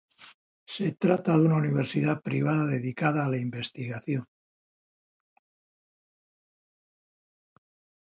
Se trata de una universidad privada dedicada a la investigación.